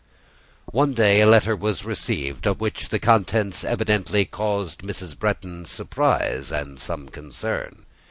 One day a letter was received of which the contents evidently caused Mrs. Bretton surprise and some concern.